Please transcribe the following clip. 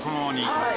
はい。